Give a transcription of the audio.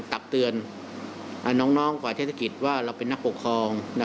ตักเตือนน้องกว่าเทศกิจว่าเราเป็นนักปกครอง